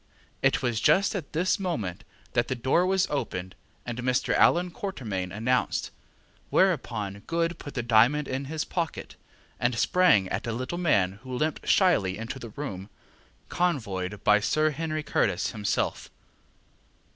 It was just at this moment that the door was opened, and Mr. Allan Quatermain announced, whereupon Good put the diamond into his pocket, and sprang at a little man who limped shyly into the room, convoyed by Sir Henry Curtis himself.